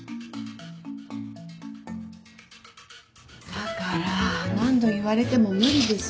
だから何度言われても無理です。